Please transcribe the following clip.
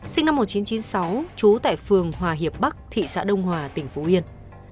sinh năm một nghìn chín trăm chín mươi sáu trú tại phường hòa hiệp bắc thị xã đông hòa tỉnh phú yên